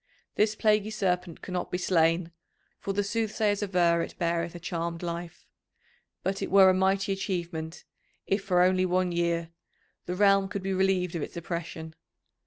This plaguy Serpent cannot be slain, for the soothsayers aver it beareth a charmed life, but it were a mighty achievement, if for only one year, the realm could be relieved of its oppression.